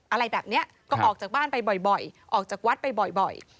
อะไรแบบนี้ก็ออกจากบ้านไปบ่อยออกจากวัดไปบ่อย